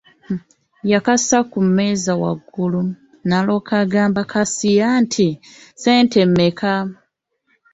Yakassa ku mmeeza waggulu, n'alyoka agamba kasiya nti ssente mmeka?